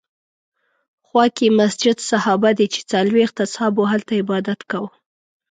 خوا کې یې مسجد صحابه دی چې څلوېښت اصحابو هلته عبادت کاوه.